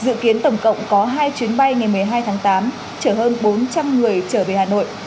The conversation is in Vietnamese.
dự kiến tổng cộng có hai chuyến bay ngày một mươi hai tháng tám trở hơn bốn trăm linh người trở về hà nội